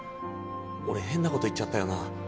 俺変な事言っちゃったよな。